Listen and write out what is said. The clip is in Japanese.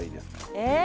え？